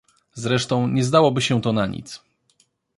Zresztą nie zdałoby się to na nic!